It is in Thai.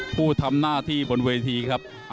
ผู้ทำหน้าที่บนเวทีครับ